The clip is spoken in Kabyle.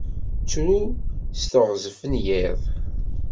Tru s teɣzef n yiḍ.